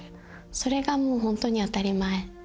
それがもうホントに当たり前。